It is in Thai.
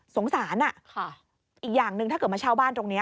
สงสารอีกอย่างหนึ่งถ้าเกิดมาเช่าบ้านตรงนี้